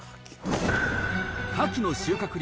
カキの収穫量